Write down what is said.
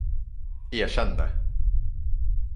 Erkänn det!